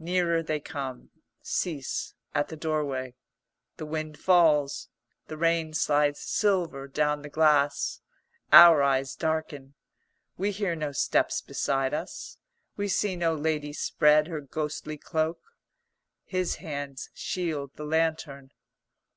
Nearer they come; cease at the doorway. The wind falls, the rain slides silver down the glass. Our eyes darken; we hear no steps beside us; we see no lady spread her ghostly cloak. His hands shield the lantern.